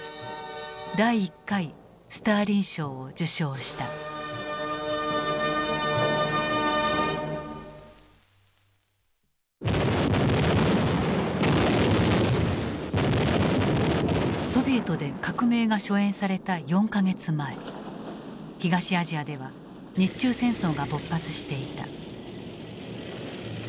そして１９４１年３月ソビエトで「革命」が初演された４か月前東アジアでは日中戦争が勃発していた。